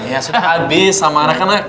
ya sudah abis sama rekan ak